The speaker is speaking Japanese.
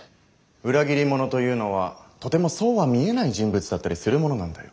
裏切り者というのはとてもそうは見えない人物だったりするものなんだよ。